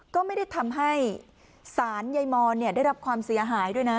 ก็ไม่ได้ทำให้สารใยมอนได้รับความเสียหายด้วยนะ